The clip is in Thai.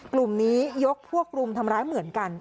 กลุ่มนี้ยกพวกรุมทำร้ายเหมือนกัน